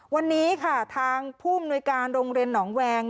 วันนี้ค่ะทางผู้มนุยการโรงเรียนหนองแวง